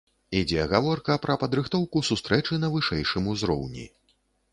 Ідзе гаворка пра падрыхтоўку сустрэчы на вышэйшым узроўні.